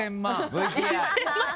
ＶＴＲ。